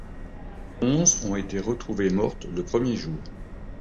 Onze ont été retrouvés mortes le premier jour.